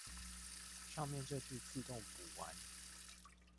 上面這句自動補完